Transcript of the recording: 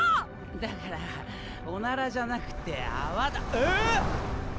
だからオナラじゃなくて泡だええ！？